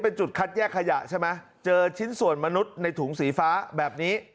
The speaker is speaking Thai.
เป็นจุดคัดแยกขยะใช่ไหมเจอชิ้นส่วนมนุษย์ในถุงสีฟ้าแบบนี้